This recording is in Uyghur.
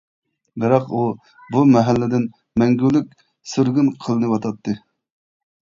بىراق ئۇ، بۇ مەھەللىدىن مەڭگۈلۈك سۈرگۈن قىلىنىۋاتاتتى.